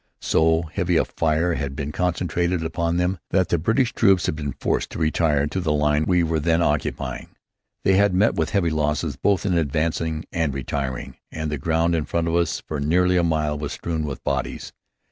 So heavy a fire had been concentrated upon them that the British troops had been forced to retire to the line we were then occupying. They had met with heavy losses both in advancing and retiring, and the ground in front of us for nearly a mile was strewn with bodies.